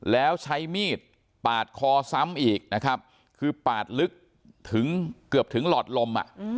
แล้วใช้มีดปาดคอซ้ำอีกนะครับคือปาดลึกถึงเกือบถึงหลอดลม